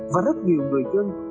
và rất nhiều người dân